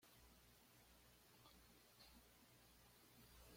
El río alcanza el mar en Trincomalee, al noreste de Sri Lanka.